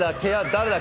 誰だ？